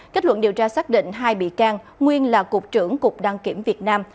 kết luận điều tra xác định hai bị can nguyên là cục trưởng cục đăng kiểm việt nam